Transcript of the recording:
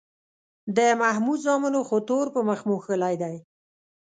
د محمود زامنو خو تور په مخ موښلی دی